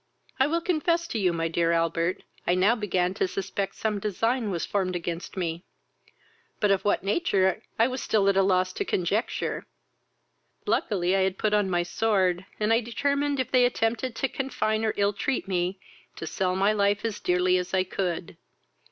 "I will confess to you, my dear Albert, I now began to suspect some design was formed against me; but of what nature I was still at a loss to conjecture. I luckily had put on my sword, and I determined, if they attempted to confine or ill treat me, to sell my life as dearly as I could.